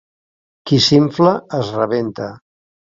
Qui s'infla es rebenta.